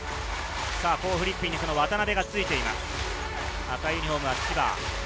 コー・フリッピンに渡邉がついています。